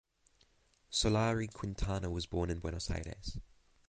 Solari Quintana was born in Buenos Aires.